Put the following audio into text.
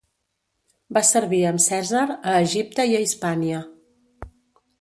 Va servir amb Cèsar a Egipte i a Hispània.